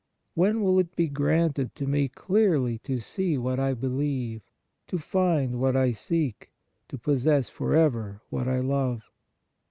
When will it be granted to me clearly to see what I believe, to find what I seek, to possess forever what I love?